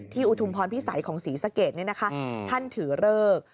อุทุมพรพิสัยของศรีสะเกดท่านถือเลิก